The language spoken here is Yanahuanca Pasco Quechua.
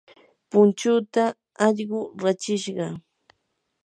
punchuuta allqu rachishqa.